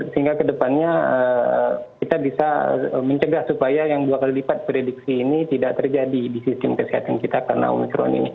sehingga kedepannya kita bisa mencegah supaya yang dua kali lipat prediksi ini tidak terjadi di sistem kesehatan kita karena omikron ini